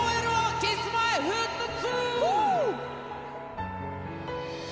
Ｋｉｓ‐Ｍｙ‐Ｆｔ２！